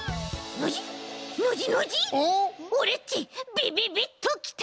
オレっちビビビッときた！